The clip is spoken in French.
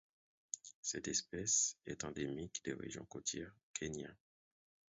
Cette espèce est endémique des régions côtières Kenya.